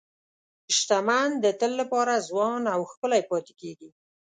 شتمن د تل لپاره ځوان او ښکلي پاتې کېږي.